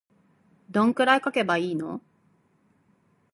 どんくらい書けばいいの